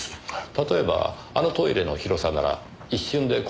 例えばあのトイレの広さなら一瞬で昏倒してしまうほどの。